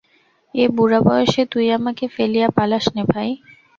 এ বুড়া বয়সে তুই আমাকে ফেলিয়া পালাস নে ভাই!